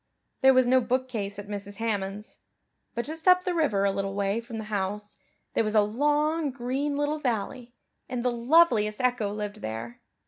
There was no bookcase at Mrs. Hammond's. But just up the river a little way from the house there was a long green little valley, and the loveliest echo lived there.